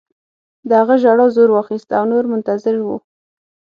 د هغه ژړا زور واخیست او نور منتظر وو